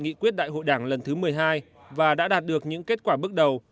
nghị quyết đại hội đảng lần thứ một mươi hai và đã đạt được những kết quả bước đầu